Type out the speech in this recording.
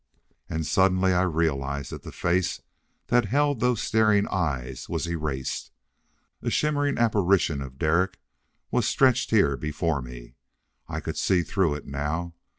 And suddenly I realized that the face that held those staring eyes was erased! A shimmering apparition of Derek was stretched here before me. I could see through it now!